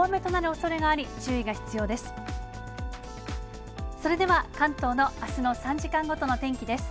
それでは関東のあすの３時間ごとの天気です。